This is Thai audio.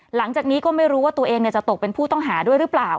หลังจากนี้ก็ไม่รู้ว่าตัวเองจะตกเป็นผู้ต้องหาด้วยหรือเปล่า